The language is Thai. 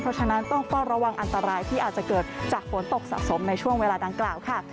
เพราะฉะนั้นต้องเฝ้าระวังอันตรายที่อาจจะเกิดจากฝนตกสะสมในช่วงเวลาดังกล่าวค่ะ